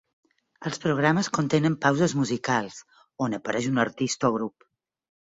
Els programes contenen pauses musicals, on apareix un artista o grup.